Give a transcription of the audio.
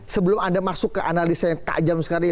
sebelum anda masuk ke analisa yang tajam sekali